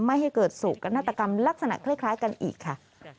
ไม่ให้เกิดสู่การณ์นัตรกรรมลักษณะคล้ายกันอีกค่ะ